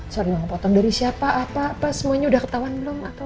sorry mau potong dari siapa apa semuanya udah ketahuan belum atau